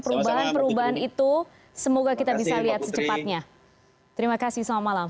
perubahan perubahan itu semoga kita bisa lihat secepatnya terima kasih selamat malam